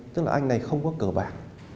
tức là anh này không có cờ bạc